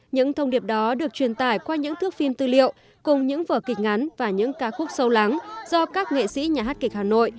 những thông điệp đó được truyền tải qua những thước phim tư liệu cùng những vở kịch ngắn và những ca khúc sâu lắng do các nghệ sĩ nhà hát kịch hà nội